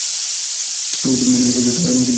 কিন্তু আপনি সেটা করেননি।